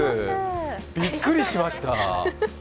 びっくりしました。